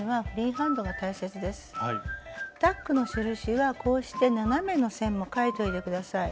タックの印はこうして斜めの線も書いといて下さい。